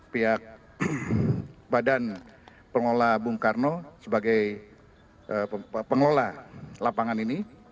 pihak badan pengelola bung karno sebagai pengelola lapangan ini